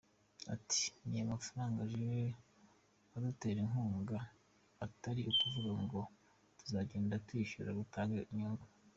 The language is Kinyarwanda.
Ati “Ni amafaranga aje adutera inkunga atari ukuvuga ngo tuzagenda tuyishyura, dutanga inyungu.